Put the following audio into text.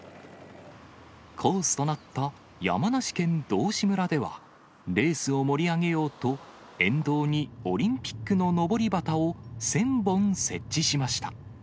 コースとなった山梨県道志村では、レースを盛り上げようと、沿道にオリンピックののぼり旗を１０００本設置しました。